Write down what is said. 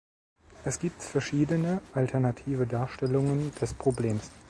Es gibt verschiedene alternative Darstellungen des Problems.